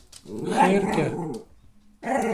Xhêrç'e!